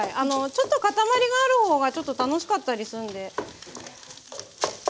ちょっと塊がある方がちょっと楽しかったりするんで。